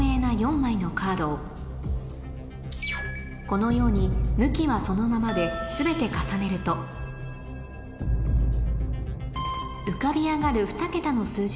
このように向きはそのままで全て重ねると２桁の数字。